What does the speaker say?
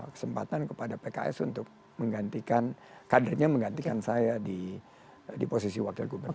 kesempatan kepada pks untuk menggantikan kadernya menggantikan saya di posisi wakil gubernur